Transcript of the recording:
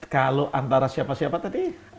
kalau antara siapa siapa tadi